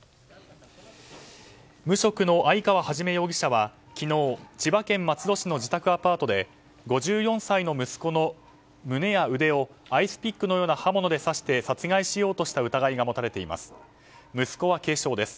無職の相川肇容疑者は昨日、千葉県松戸市の自宅アパートで５４歳の息子の胸や腕をアイスピックのような刃物で刺して殺害しようとした疑いが持たれています。